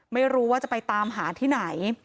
ไม่รู้ว่าจะไปตามหาที่ไหน